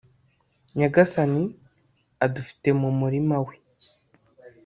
nyagasani, adufite mu murima we